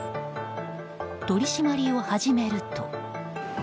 取り締まりを始めると。